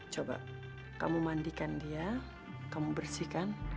coba kamu mandikan dia kamu bersihkan